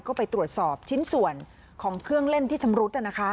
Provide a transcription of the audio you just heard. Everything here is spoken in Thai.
ก็ไปตรวจสอบชิ้นส่วนของเครื่องเล่นที่ชำรุด